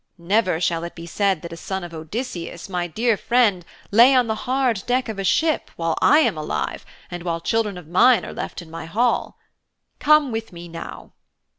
Never shall it be said that a son of Odysseus, my dear friend, lay on the hard deck of a ship while I am alive and while children of mine are left in my hall. Come with me now.'